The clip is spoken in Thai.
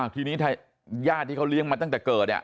ทีนี้ญาติที่เขาเลี้ยงมาตั้งแต่เกิด